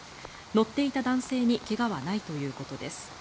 乗っていた男性に怪我はないということです。